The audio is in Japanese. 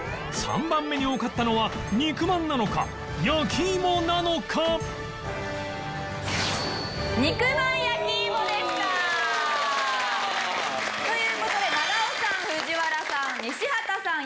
３番目に多かったのは肉まんなのか焼き芋なのかという事で長尾さん藤原さん西畑さん